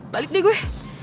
balik deh gue